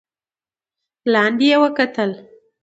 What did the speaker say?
لاندې يې وکتل.